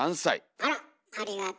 あら！ありがと。